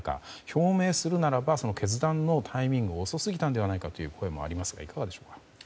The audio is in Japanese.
表明するならば決断のタイミングが遅すぎたんじゃないかという声もありますがいかがでしょうか。